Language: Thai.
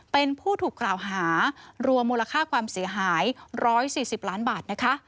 เป็นผู้ถูกกล่าวหารวมมูลค่าความเสียหาย๑๔๐ล้านบาทนะคะ